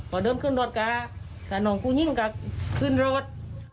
เขาเดินขึ้นรถกับน้องคู่ยิ่งกับขึ้นรถ